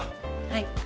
はい。